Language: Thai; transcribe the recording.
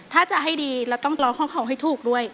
ถ้าจะให้ดีเราต้องร้องของเขาให้ถูกด้วย